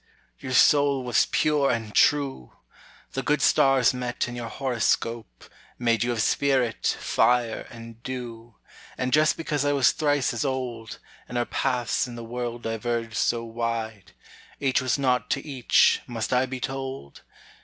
your soul was pure and true; The good stars met in your horoscope, Made you of spirit, fire, and dew; And just because I was thrice as old, And our paths in the world diverged so wide, Each was naught to each, must I be told?